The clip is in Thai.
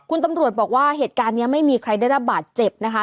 คุณตำรวจบอกว่าเหตุการณ์นี้ไม่มีใครได้รับบาดเจ็บนะคะ